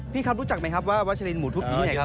ครับรู้จักไหมครับว่าวัชลินหมูทุบอยู่ที่ไหนครับ